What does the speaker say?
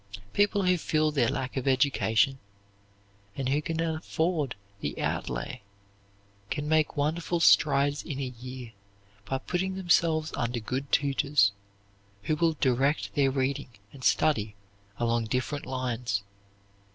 People who feel their lack of education, and who can afford the outlay, can make wonderful strides in a year by putting themselves under good tutors, who will direct their reading and study along different lines.